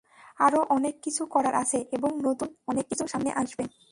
আরও অনেক কিছু করার আছে এবং নতুন অনেক কিছু সামনে আসবে।